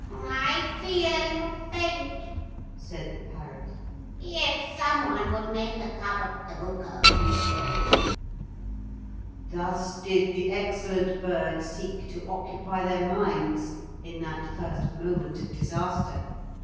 'I feel a little faint,' said the parrot; 'if some one would make a cup of cocoa.' Thus did the excellent bird seek to occupy their minds in that first moment of disaster.